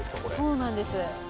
そうなんです。